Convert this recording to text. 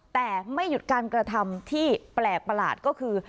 แต่ไม่หยุดการกระทำที่แปลกประหลาดก็คือ